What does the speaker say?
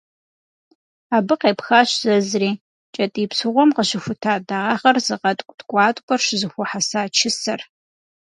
Абы къепхащ зэзри - кӏэтӏий псыгъуэм къыщыхута дагъэр зыгъэткӏу ткӏуаткӏуэр щызэхуэхьэса «чысэр».